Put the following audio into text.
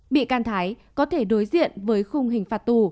bị can thái có thể đối diện với khung hình phạt tù